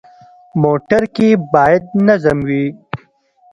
موټر کې باید نظم وي.